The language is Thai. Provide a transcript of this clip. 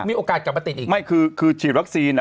มีโอกาสกลับมาติดอีกไม่คือคือฉีดวัคซีนอ่ะ